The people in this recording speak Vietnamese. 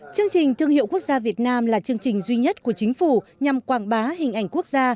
chương trình thương hiệu quốc gia việt nam là chương trình duy nhất của chính phủ nhằm quảng bá hình ảnh quốc gia